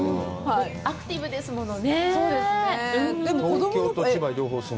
アクティブですものね。